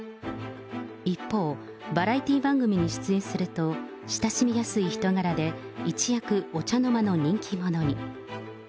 一方、バラエティ番組に出演すると、親しみやすい人柄で、一躍、お茶の間の人気者に。